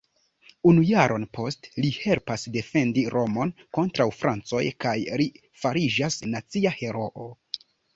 Unu jaron poste li helpas defendi Romon kontraŭ francoj kaj li fariĝas nacia heroo.